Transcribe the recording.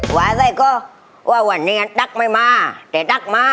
หวานไว้ก็ว่าวันนี้อันตั๊กไม่มาเจ๊ตั๊กมา